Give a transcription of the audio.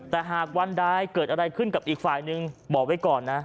แต่หากวันใดเกิดอะไรขึ้นกับอีกฝ่ายนึงบอกไว้ก่อนนะ